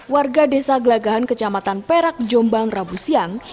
warga desa gelagahan kecamatan perak jombang rabu siang